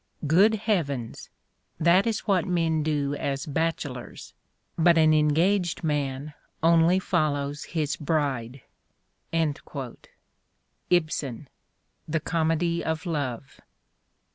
Good heavens! That is what men do aa bachelors; but an engaged man only follows his bride." Ibsen: The Comedy of Love.